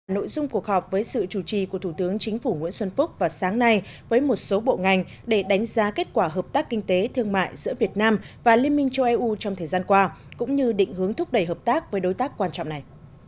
nội dung cuộc họp với sự chủ trì của thủ tướng chính phủ nguyễn xuân phúc vào sáng nay với một số bộ ngành để đánh giá kết quả hợp tác kinh tế thương mại giữa việt nam và liên minh châu eu trong thời gian qua cũng như định hướng thúc đẩy hợp tác với đối tác quan trọng này